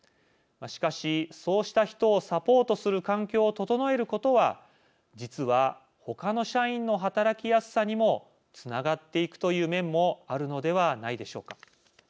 しかし、そうした人をサポートする環境を整えることは実は他の社員の働きやすさにもつながっていくという面もあるのではないでしょうか。